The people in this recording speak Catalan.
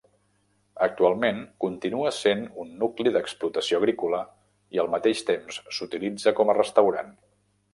Actualment, continua sent un nucli d'explotació agrícola i al mateix temps, s'utilitza com a restaurant.